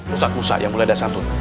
ustadz musa yang mulai dari satu tahun